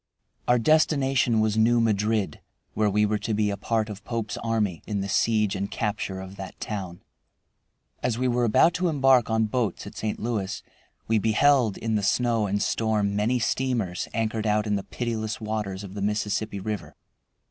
Our destination was New Madrid, where we were to be a part of Pope's army in the siege and capture of that town. As we were about to embark on boats at St. Louis we beheld in the snow and storm many steamers anchored out in the pitiless waters of the Mississippi River.